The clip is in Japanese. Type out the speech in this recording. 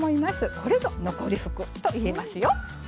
これぞ残り福といえますよ。